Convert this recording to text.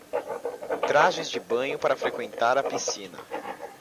Trajes de banho para frequentar a piscina